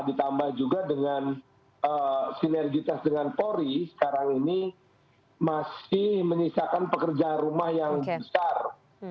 ditambah juga dengan sinergitas dengan polri sekarang ini masih menyisakan pekerjaan rumah yang besar